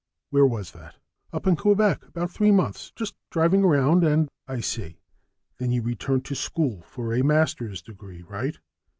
Where was that?" "Up in Quebec. About three months. Just driving around and " "I see. Then you returned to school for a master's degree, right?